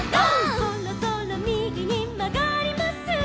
「そろそろみぎにまがります」